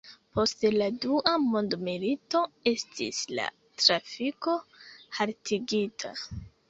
Post la Dua mondmilito estis la trafiko haltigita.